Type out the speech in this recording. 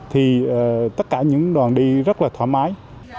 thì tất cả những đoàn đi rất là thoải mái